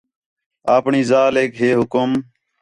آپݨی ذالیک ہے حُکم